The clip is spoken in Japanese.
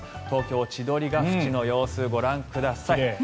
東京・千鳥ヶ淵の様子ご覧ください。